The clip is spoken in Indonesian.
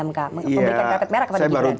memberikan kartet merah kepada gibran